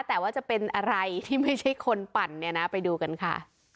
แต่ว่าจะเป็นอะไรที่ไม่ใช่คนปั่นเนี่ยนะไปดูกันค่ะ